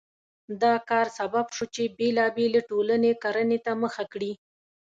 دا کار سبب شو چې بېلابېلې ټولنې کرنې ته مخه کړي.